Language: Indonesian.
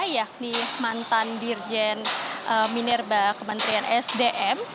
yakni mantan dirjen minerva kementerian esdm